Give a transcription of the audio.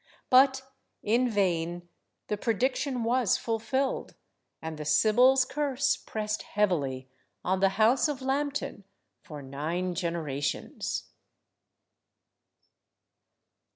But in vain—the prediction was fulfilled, and the Sibyl's curse pressed heavily on the house of Lambton for nine generations.